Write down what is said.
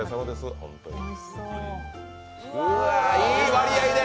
うわ、いい割合で！